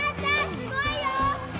すごいよー！